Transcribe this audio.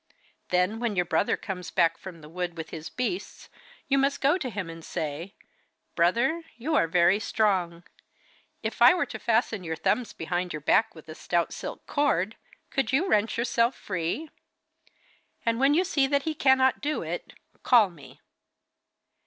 Then, when your brother comes back from the wood with his beasts you must go to him and say, "Brother, you are very strong. If I were to fasten your thumbs behind your back with a stout silk cord, could you wrench yourself free?" And when you see that he cannot do it, call me.